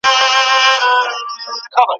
ډېر مي د اورنګ او خوشحال خان